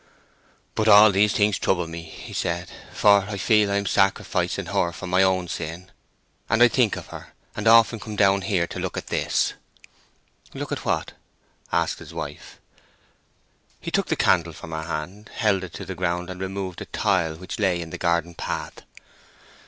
"But all these things trouble me," said he; "for I feel I am sacrificing her for my own sin; and I think of her, and often come down here and look at this." "Look at what?" asked his wife. He took the candle from her hand, held it to the ground, and removed a tile which lay in the garden path.